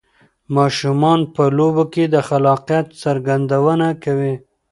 ماشومان په لوبو کې د خلاقیت څرګندونه کوي.